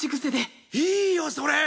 いいよそれ！